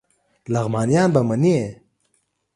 لغمانیان به منی